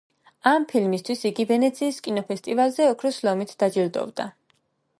ამ ფილმისთვის იგი ვენეციის კინოფესტივალზე ოქროს ლომით დაჯილდოვდა.